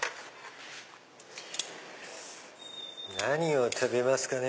何を食べますかね。